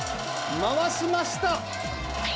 回しました。